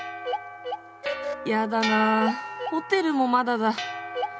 やだなホテルもまだだ。